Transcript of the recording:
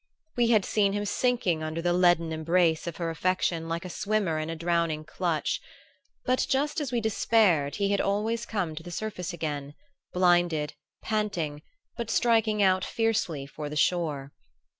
We had seen him sinking under the leaden embrace of her affection like a swimmer in a drowning clutch; but just as we despaired he had always come to the surface again, blinded, panting, but striking out fiercely for the shore.